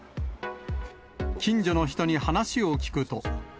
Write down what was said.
近所の人に話を聞くと。